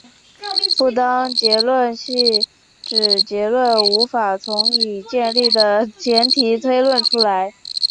不当结论系指结论无法从已建立的前提推论出来。